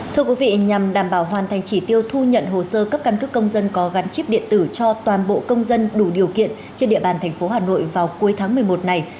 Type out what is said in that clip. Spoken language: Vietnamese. thưa quý vị nhằm đảm bảo hoàn thành chỉ tiêu thu nhận hồ sơ cấp căn cước công dân có gắn chip điện tử cho toàn bộ công dân đủ điều kiện trên địa bàn tp hà nội vào cuối tháng một mươi một này